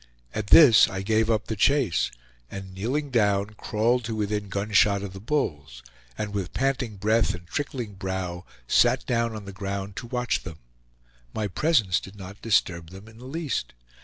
At this I gave up the chase, and kneeling down, crawled to within gunshot of the bulls, and with panting breath and trickling brow sat down on the ground to watch them; my presence did not disturb them in the least.